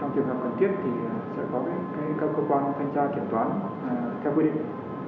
trường hợp cần thiết thì sẽ có các cơ quan thanh tra kiểm toán theo quy định